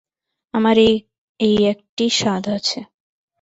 আমার এই একটি সাধ আছে।